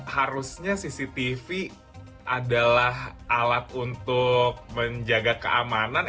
harusnya cctv adalah alat untuk menjaga keamanan